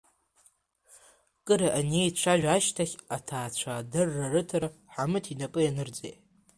Кыр аинеицәажәа ашьҭахь аҭаацәа адырра рыҭара Ҳамыт инапы ианырҵеит.